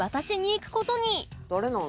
「誰なん？